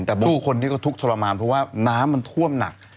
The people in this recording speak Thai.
แต่ผู้คนที่ก็ทุกข์ทรมานเพราะว่าน้ำมันท่วมหนัก